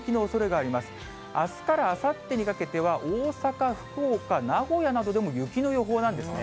あすからあさってにかけては、大阪、福岡、名古屋などでも雪の予報なんですね。